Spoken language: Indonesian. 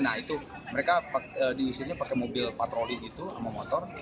nah itu mereka diusirnya pakai mobil patroli gitu sama motor